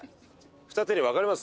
二手に分かれます？